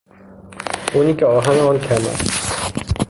خونی که آهن آن کم است